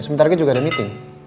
sebentar lagi juga ada meeting